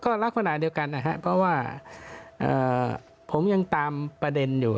ก็ลักษณะเดียวกันนะครับเพราะว่าผมยังตามประเด็นอยู่